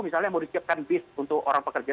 misalnya mau disiapkan bis untuk orang pekerja